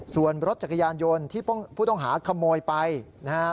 ส่วนรถจักรยานยนต์ที่ผู้ต้องหาขโมยไปนะฮะ